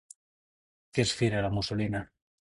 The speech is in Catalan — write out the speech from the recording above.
Que és fina, la mussolina!